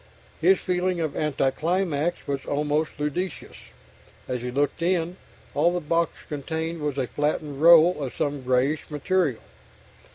His feeling of anticlimax was almost ludicrous. As he looked in, all the box contained was a flattened roll of some greyish material.